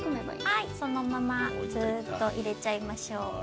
はいそのままずっと入れちゃいましょう。